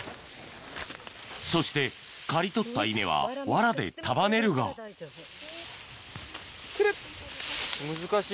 そして刈り取った稲はわらで束ねるがクルっ。